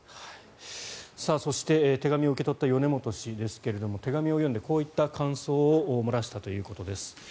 そして手紙を受け取った米本氏ですが手紙を読んでこういった感想を漏らしたということです。